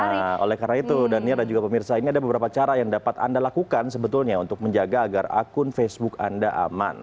nah oleh karena itu daniar dan juga pemirsa ini ada beberapa cara yang dapat anda lakukan sebetulnya untuk menjaga agar akun facebook anda aman